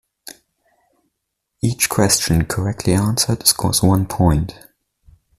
Each question correctly answered scores one point.